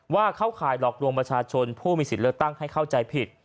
เข้าข่ายหลอกลวงประชาชนผู้มีสิทธิ์เลือกตั้งให้เข้าใจผิด